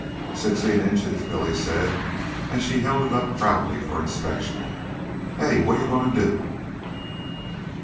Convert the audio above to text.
"Sixteen inches," Billy said, as she held it up proudly for inspection. " Hey! what are you goin' to do?"